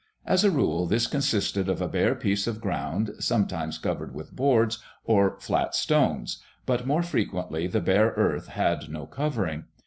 As a rule this consisted of a bare piece of ground, sometimes covered with boards or flat stones, but more frequently the bare earth had no covering.